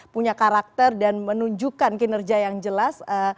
punya karakter dan menunjukkan kinerja yang jelas